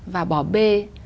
và bỏ bê